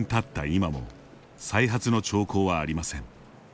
今も再発の兆候はありません。